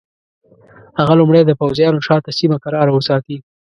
هغه لومړی د پوځیانو شاته سیمه کراره وساتي.